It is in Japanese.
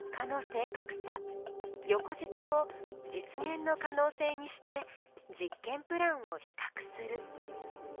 横軸を実現の可能性にして実験プランを比較する。